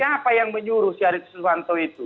siapa yang menyuruh si haris suwanto itu